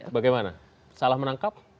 bagaimana salah menangkap